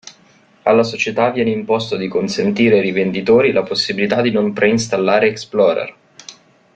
Alla società viene imposto di consentire ai rivenditori la possibilità di non preinstallare Explorer.